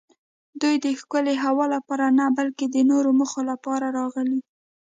دوی د ښکلې هوا لپاره نه بلکې د نورو موخو لپاره راغلي.